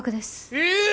え！